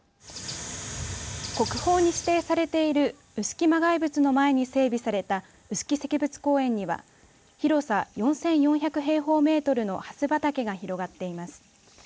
国宝に指定されている臼杵磨崖仏の前に整備された臼杵石仏公園には広さ４４００平方メートルのハス畑が広がっています。